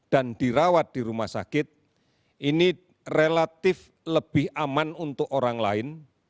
dan dirawat di rumah sakit ini relatif lebih aman untuk orang lain